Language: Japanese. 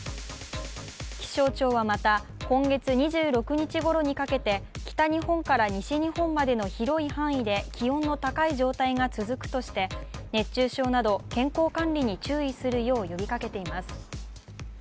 気象庁はまた今月２６日ごろにかけて北日本から西日本までの広い範囲で気温の高い状態が続くとして、熱中症など、健康管理に注意するよう呼びかけています。